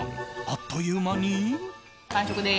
あっという間に。